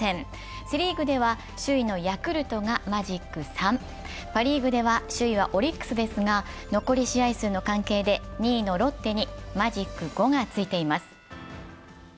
セ・リーグでは首位のヤクルトがマジック３、パ・リーグでは首位はオリックスですが、残り試合数の関係で２位のロッテにマジック５がついています。